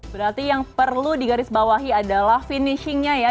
berarti yang perlu digarisbawahi adalah finishingnya ya